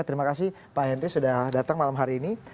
terima kasih pak henry sudah datang malam hari ini